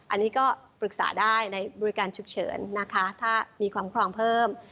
อันนี้ก็ปรึกษาได้ในบริการฉุกเฉินนะคะถ้ามีความครองเพิ่ม